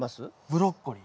ブロッコリー。